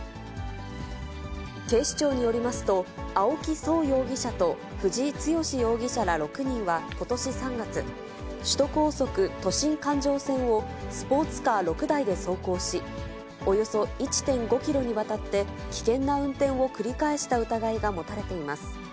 警視庁によりますと、青木創容疑者と藤井剛志容疑者ら６人はことし３月、首都高速都心環状線をスポーツカー６台で走行し、およそ１．５キロにわたって危険な運転を繰り返した疑いが持たれています。